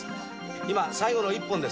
今、最後の１本です。